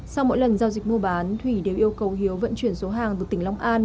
sau mỗi lần giao dịch mua bán thủy đều yêu cầu hiếu vận chuyển số hàng từ tỉnh long an